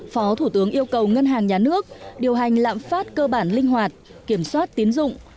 phó thủ tướng yêu cầu ngân hàng nhà nước điều hành lạm phát cơ bản linh hoạt kiểm soát tiến dụng